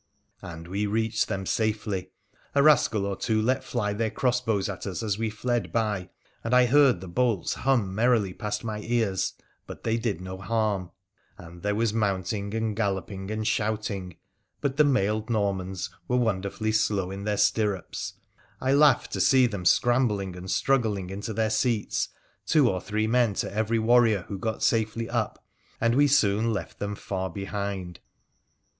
And we reached them safely ; a rascal or two let fly their cross bows at us as we fled by, and I heard the bolts hum merrily past my ears, but they did no harm ; and there was mounting and galloping and shouting, but the mailed Normana 76 WONDERFUL ADVENTURES OF were wonderfully slow in their stirrups ! I laughed lo see them scrambling and struggling into their seats, two or three men to every warrior who got safely up, and we soon left them far behind.